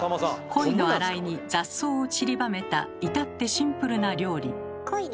鯉のあらいに雑草をちりばめた至ってシンプルな料理。